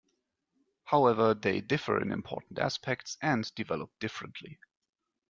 However, they differ in important aspects, and developed differently.